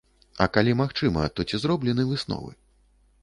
А калі магчыма, то ці зроблены высновы?